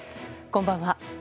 こんばんは。